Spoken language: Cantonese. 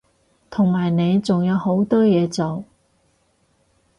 同埋你仲有好多嘢做